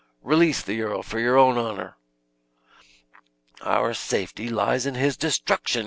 Release the earl, for your own honor." "Our safety lies in his destruction!"